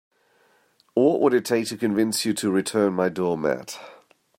What would it take to convince you to return my doormat?